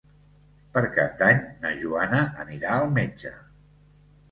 Per Cap d'Any na Joana anirà al metge.